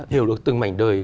hiểu được từng mảnh đời